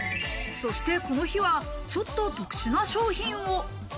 そしてこの日は、ちょっと特殊な商品を。